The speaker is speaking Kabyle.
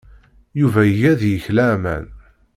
Yuba iga deg-k laman.